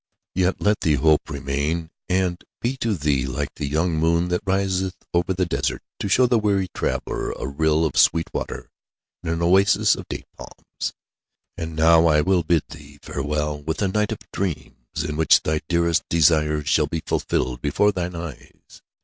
Yet let the hope remain, and be to thee like the young moon that riseth over the desert, to show the weary traveller a rill of sweet water in an oasis of date palms. And now I will bid thee farewell, with a night of dreams in which thy dearest desires shall be fulfilled before thine eyes.